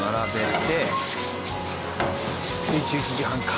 で１１時半か。